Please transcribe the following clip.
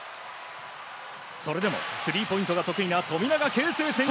それでも、スリーポイントが得意な富永啓生選手。